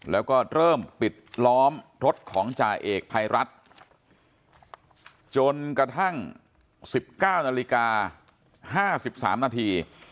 แล้วก็เริ่มปิดล้อมรถของจ่าเอกภัยรัฐจนกระทั่ง๑๙นาฬิกา๕๓นาที